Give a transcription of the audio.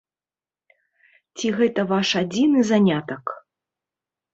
Ці гэта ваш адзіны занятак?